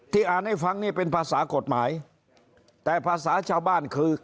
อ่านให้ฟังนี่เป็นภาษากฎหมายแต่ภาษาชาวบ้านคือ